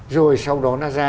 rồi sau đó nó ra